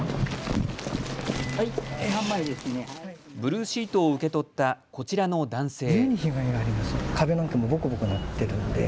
ブルーシートを受け取ったこちらの男性。